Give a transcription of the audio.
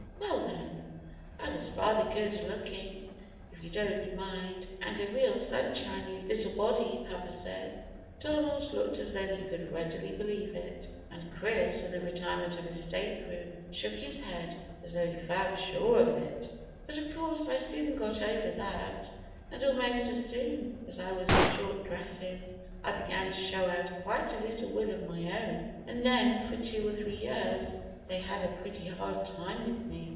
"Well, then, I was rather good looking, if you don't mind, and a real sunshiny little body, papa says." Donald looked as though he could readily believe it, and Chris, in the retirement of his stateroom, shook his head, as though he felt sure of it. "But of course I soon got over that, and almost as soon as I was in short dresses I began to show I had quite a little will of my own, and then for two or three years they had a pretty hard time with me.